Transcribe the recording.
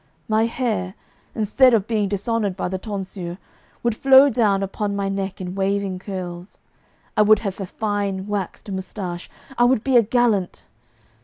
My hair, instead of being dishonoured by the tonsure, would flow down upon my neck in waving curls; I would have a fine waxed moustache; I would be a gallant.